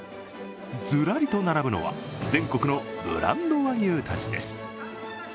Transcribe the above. ずらりと並ぶのは全国のブランド和牛たちです。